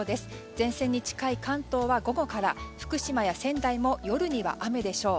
前線に近い関東は午後から福島や仙台も夜には雨でしょう。